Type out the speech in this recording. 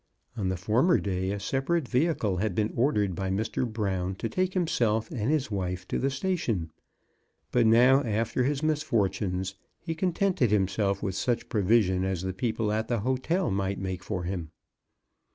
On the former day a separate vehicle had been ordered by Mr. Brown to take himself and his wife to the station, but now, after his misfor tunes, he contented himself with such provision as the people at the hotel might make for him.